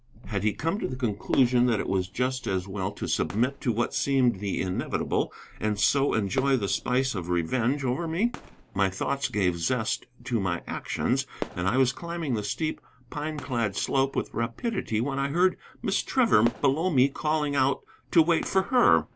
Had he come to the conclusion that it was just as well to submit to what seemed the inevitable and so enjoy the spice of revenge over me? My thoughts gave zest to my actions, and I was climbing the steep, pine clad slope with rapidity when I heard Miss Trevor below me calling out to wait for her.